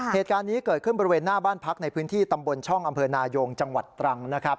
เหตุการณ์นี้เกิดขึ้นบริเวณหน้าบ้านพักในพื้นที่ตำบลช่องอำเภอนายงจังหวัดตรังนะครับ